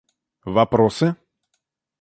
вопросы